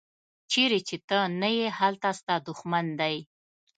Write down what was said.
چیرې چې ته نه یې هلته ستا دوښمن دی.